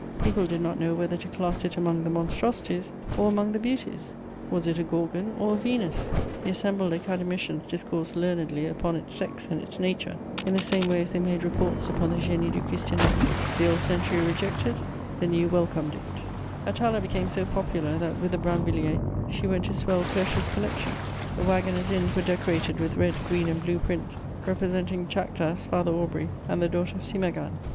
People did not know whether to class it among the "monstrosities" or among the "beauties:" was it a Gorgon or a Venus? The assembled academicians discoursed learnedly upon its sex and its nature, in the same way as they made reports upon the Génie du Christianisme. The old century rejected, the new welcomed it. [Illustration: Napoléon.] [Sidenote: I publish Atala.] Atala became so popular that, with the Brinvilliers she went to swell Curtius' collection. The wagoners' inns were decorated with red, green and blue prints representing Chactas, Father Aubry, and the daughter of Simaghan.